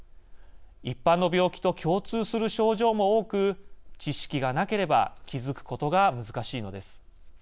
一般の病気と共通する症状も多く知識がなければ気付くことが難しいのです。